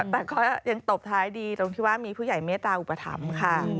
แต่ก็ยังตบท้ายดีตรงที่ว่ามีผู้ใหญ่เมตตาอุปถัมภ์ค่ะ